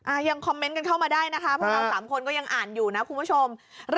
ยังคอมเมนต์กันเข้ามาได้นะคะพวกเราสามคนก็ยังอ่านอยู่นะคุณผู้ชม